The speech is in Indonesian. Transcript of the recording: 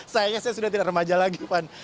sayangnya saya sudah tidak remaja lagi van